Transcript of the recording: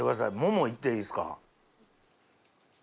モモ行っていいっすか。